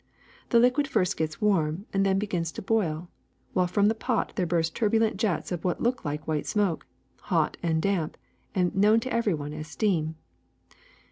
The liquid first gets warm and then begins to boil, while from the pot there burst turbulent jets of what looks like white smoke, hot and damp, and known to every one as steam.